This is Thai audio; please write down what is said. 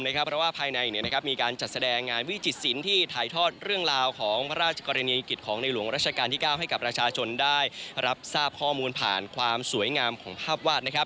เพราะว่าภายในมีการจัดแสดงงานวิจิตศิลป์ที่ถ่ายทอดเรื่องราวของพระราชกรณียกิจของในหลวงราชการที่๙ให้กับประชาชนได้รับทราบข้อมูลผ่านความสวยงามของภาพวาด